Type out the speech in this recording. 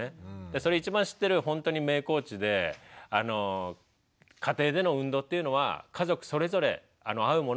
それ一番知ってるほんとに名コーチで家庭での運動っていうのは家族それぞれ合うものを見つけていく。